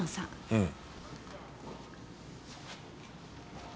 うん。